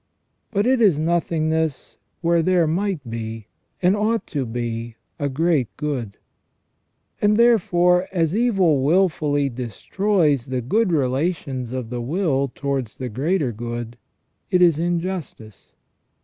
But it is nothingness where there might be, and ought to be, a great good ; and therefore as evil wilfully destroys the good relations of the will towards the greater good, it is injustice.